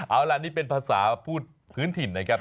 เอาล่ะนี่เป็นภาษาพูดพื้นถิ่นนะครับ